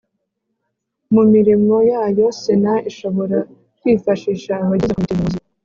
Mu mirimo yayo Sena ishobora kwifashisha abagize komite nyobozi